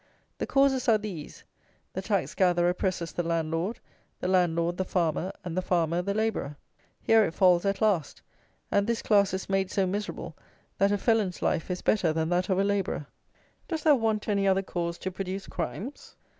The causes are these: the tax gatherer presses the landlord; the landlord the farmer; and the farmer the labourer. Here it falls at last; and this class is made so miserable that a felon's life is better than that of a labourer. Does there want any other cause to produce crimes?